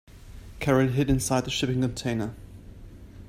Carol hid inside the shipping container.